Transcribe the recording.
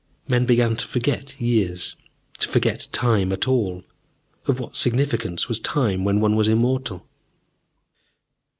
Men began to forget years, to forget time at all. Of what significance was time when one was immortal?